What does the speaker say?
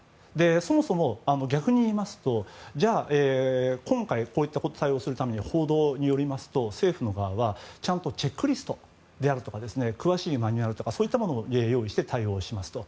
そもそも逆に言いますと今回こういった対応をするために報道によりますと政府側はちゃんとチェックリストであるとか詳しいマニュアルとかそういったものを用意して対応しますと。